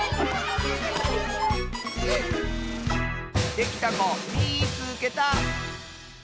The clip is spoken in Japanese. できたこみいつけた！